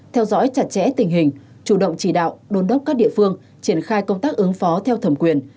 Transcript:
theo dõi chặt chẽ tình hình chủ động chỉ đạo đôn đốc các địa phương triển khai công tác ứng phó theo thẩm quyền